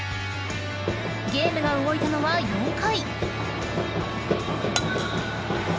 ［ゲームが動いたのは４回］